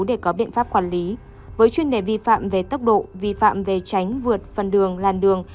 để có biện pháp quản lý với chuyên đề vi phạm về tốc độ vi phạm về tránh vượt phần đường làn đường